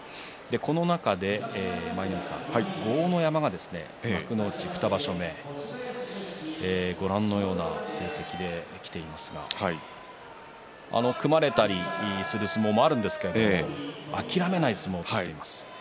この中で舞の海さん豪ノ山が幕内２場所目ご覧のような成績できていますが組まれたりする相撲もあるんですけれども諦めない相撲を取ります。